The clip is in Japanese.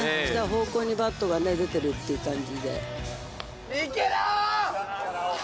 来た方向にバットが出てるっていう感じで。